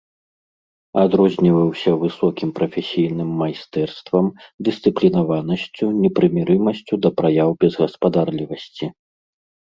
Адрозніваўся высокім прафесійным майстэрствам, дысцыплінаванасцю, непрымірымасцю да праяў безгаспадарлівасці.